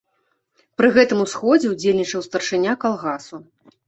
Пры гэтым у сходзе ўдзельнічаў старшыня калгасу.